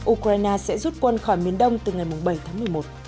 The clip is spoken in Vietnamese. ukraine sẽ rút quân khỏi miền đông từ ngày bảy tháng một mươi một